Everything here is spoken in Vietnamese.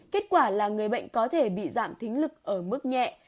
kết quả là người bệnh có thể bị giảm thính lực ở mức nhẹ